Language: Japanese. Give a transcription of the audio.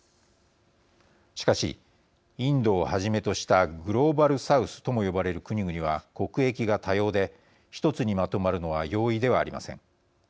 しかし、インドをはじめとしたグローバル・サウスとも呼ばれる国々は国益が多様で１つにまとまるのは容易ではありません。